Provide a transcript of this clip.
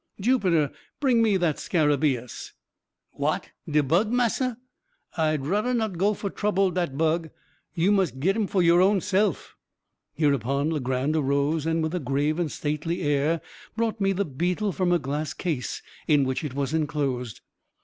Jupiter, bring me that scarabaeus!" "What! de bug, massa? I'd rudder not go fer trubble dat bug; you mus' git him for your own self." Hereupon Legrand arose, with a grave and stately air, and brought me the beetle from a glass case in which it was enclosed.